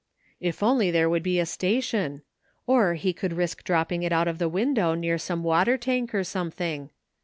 If only there would be a station— or he could risk dropping ^ it out of the window near some water tank or some thing.